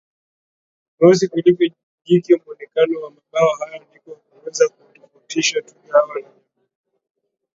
meusi kuliko jike Muonekano wa mabaka haya ndio huweza kuwatofautisha twiga hawa na jamii